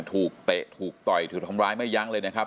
เตะถูกต่อยถูกทำร้ายไม่ยั้งเลยนะครับ